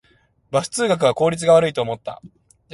バス通学は効率が悪いと思った